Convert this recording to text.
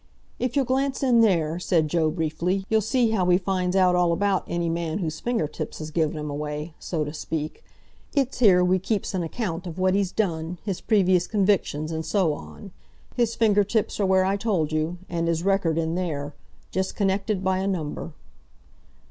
"If you'll glance in there," said Joe briefly, "you'll see how we finds out all about any man whose finger tips has given him away, so to speak. It's here we keeps an account of what he's done, his previous convictions, and so on. His finger tips are where I told you, and his record in there—just connected by a number."